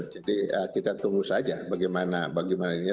jadi kita tunggu saja bagaimana ini